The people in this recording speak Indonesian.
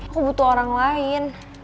aku butuh orang lain